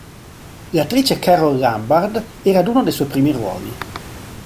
L'attrice Carole Lombard era ad uno dei suoi primi ruoli.